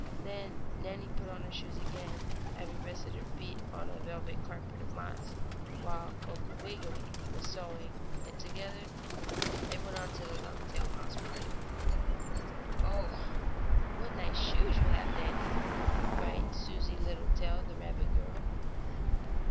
Then Nannie put on her shoes again, having rested her feet on a velvet carpet of moss, while Uncle Wiggily was sewing, and together they went on to the Longtail mouse party. "Oh, what nice shoes you have, Nannie!" cried Susie Littletail, the rabbit girl.